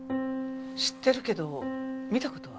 知ってるけど見た事は。